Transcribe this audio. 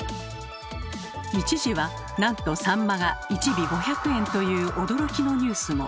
一時はなんとサンマが１尾５００円という驚きのニュースも。